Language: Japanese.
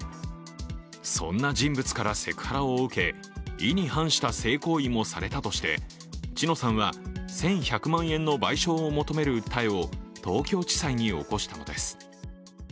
そんな人物からセクハラを受け、意に反した性行為もされたとして知乃さんは１１００万円の賠償を求める訴えを東京地裁に起こしたのです。